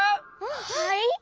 はい？